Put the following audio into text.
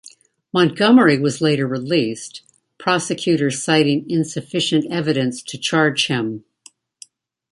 Montgomery was later released, prosecutors citing insufficient evidence to charge him.